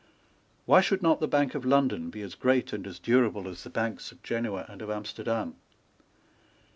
Why should not the Bank of London be as great and as durable as the Banks of Genoa and of Amsterdam?